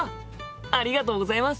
ありがとうございます。